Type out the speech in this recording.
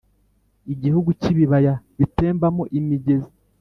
igihugu cy’ibibaya bitembamo imigezi,